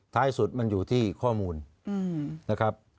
ท้ายสุดมันอยู่ที่ข้อมูลนะครับ